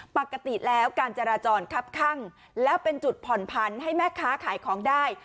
ปกติแล้วการจราจรคับข้างแล้วเป็นจุดผ่อนพันธุ์ให้แม่ค้าขายของได้